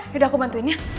yaudah aku bantuin ya